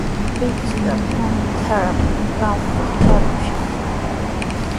Pichqa puntrawmi qampaq arushaq.